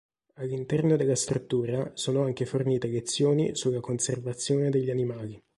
All'interno della struttura sono anche fornite lezioni sulla conservazione degli animali.